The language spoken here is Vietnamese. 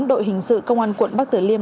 đội hình sự công an quận bắc tử liêm